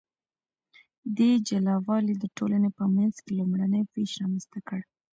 دې جلا والي د ټولنې په منځ کې لومړنی ویش رامنځته کړ.